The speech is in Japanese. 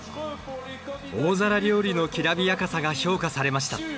大皿料理のきらびやかさが評価されました。